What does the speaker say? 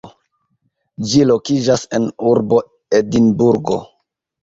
Ĝi lokiĝas en urbo Edinburgo.